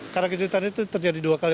karena kejutan itu terjadi dua kali